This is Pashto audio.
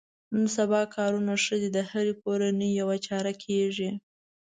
نن سبا کارونه ښه دي د هرې کورنۍ یوه چاره کېږي.